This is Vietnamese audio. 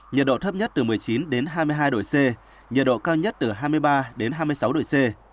nhiệt độ thấp nhất một mươi chín hai mươi hai độ c nhiệt độ cao nhất từ hai mươi ba hai mươi sáu độ c